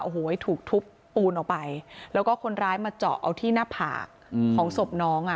โอ้โหถูกทุบปูนออกไปแล้วก็คนร้ายมาเจาะเอาที่หน้าผากของศพน้องอ่ะ